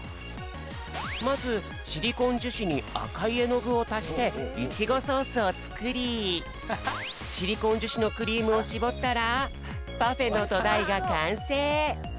まずシリコンじゅしにあかいえのぐをたしていちごソースをつくりシリコンじゅしのクリームをしぼったらパフェのどだいがかんせい！